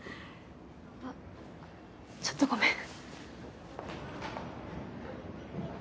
あっちょっとごめん。